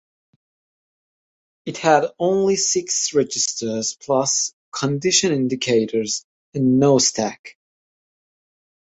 It had only six registers plus condition indicators, and no stack.